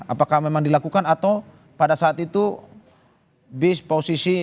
apakah memang dilakukan atau pada saat itu bus posisi sudah berjalan